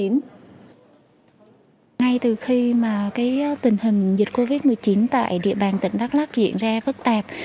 ngay từ khi mà tình hình dịch covid một mươi chín tại địa bàn tỉnh đắk lắc diễn ra phức tạp